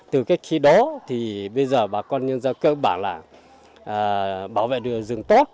từ cái khi đó thì bây giờ bà con nhận ra cơ bản là bảo vệ được rừng tốt